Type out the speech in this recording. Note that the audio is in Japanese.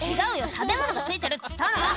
食べ物が付いてるっつったの！」